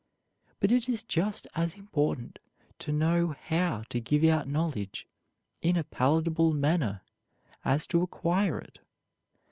But it is just as important to know how to give out knowledge in a palatable manner as to acquire it.